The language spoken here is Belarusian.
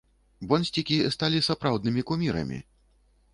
Бонсцікі сталі сапраўднымі кумірамі!